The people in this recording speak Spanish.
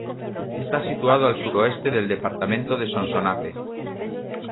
Está situado al suroeste del departamento de Sonsonate.